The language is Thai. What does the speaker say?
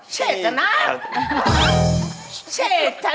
ใช่สิฮะหามาหา